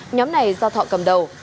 nhóm này do thọ cầm đầu